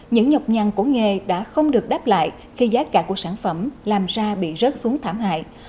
những nhọc nhằn của nghề đã không được đáp lại khi giá cả của sản phẩm làm ra bị rớt xuống thảm hại